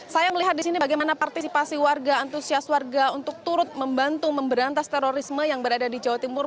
saya melihat di sini bagaimana partisipasi warga antusias warga untuk turut membantu memberantas terorisme yang berada di jawa timur